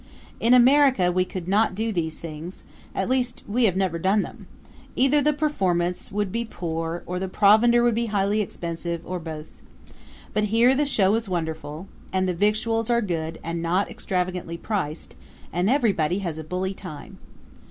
In America we could not do these things at least we never have done them. Either the performance would be poor or the provender would be highly expensive, or both. But here the show is wonderful, and the victuals are good and not extravagantly priced, and everybody has a bully time.